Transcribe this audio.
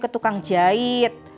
ke tukang jahit